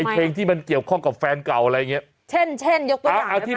เพลงที่มันเกี่ยวข้องกับแฟนเก่าอะไรอย่างนี้